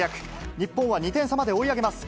日本は２点差まで追い上げます。